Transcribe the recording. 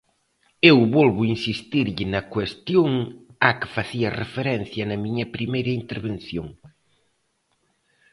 Eu volvo insistirlle na cuestión á que facía referencia na miña primeira intervención.